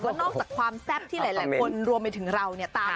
แล้วนอกจากความแซ่บที่หลายคนรวมไปถึงเราเนี่ยตาม